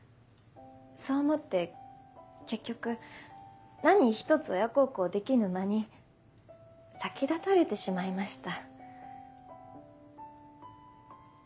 そう思って結局何ひとつ親孝行できぬ間に先立たれてしまいました。